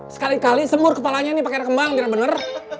sekali kali semur kepalanya ini pakai air kembang tidak bener